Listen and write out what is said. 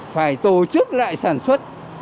phải tổ chức lại sản xuất